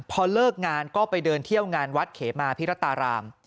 พอเลิกงานก็ไปเดินเที่ยวงานวัดเขมาพิรัตราราม